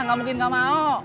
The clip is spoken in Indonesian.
gak mungkin gak mau